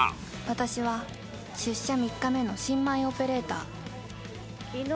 「私は出社３日目の新米オペレーター」